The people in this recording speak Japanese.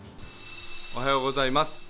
おはようございます。